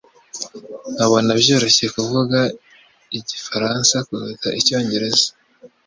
abona byoroshye kuvuga igifaransa kuruta icyongereza